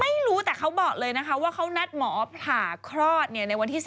ไม่รู้แต่เขาบอกเลยนะคะว่าเขานัดหมอผ่าคลอดในวันที่๓